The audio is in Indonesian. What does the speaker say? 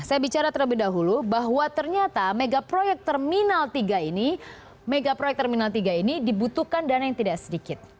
saya bicara terlebih dahulu bahwa ternyata mega proyek terminal tiga ini dibutuhkan dana yang tidak sedikit